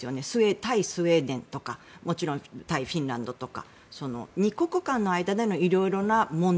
対スウェーデンとかもちろん対フィンランドとか２国間の間でのいろいろな問題